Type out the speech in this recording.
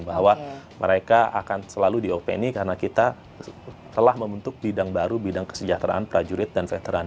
bahwa mereka akan selalu diopini karena kita telah membentuk bidang baru bidang kesejahteraan prajurit dan veteran